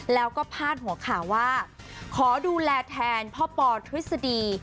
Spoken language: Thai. แล้วก็พาดหัวข่าวว่าขอดูแลแทนพ่อปอทฤษฎี